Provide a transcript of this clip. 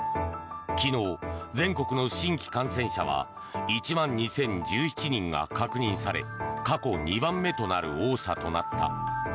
昨日、全国の新規感染者は１万２０１７人が確認され過去２番目となる多さとなった。